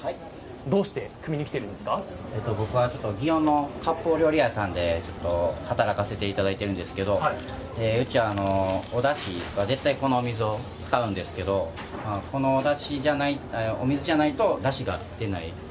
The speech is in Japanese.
どうして僕は祇園のかっぽう料理屋さんで働かせていただいているんですけどうちはおだしは絶対この水を使うんですけれどもこのお水じゃないとだしが出ない。